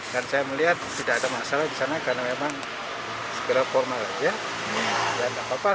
dan saya melihat tidak ada masalah di sana karena memang secara formal saja